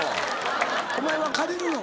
お前は借りるの？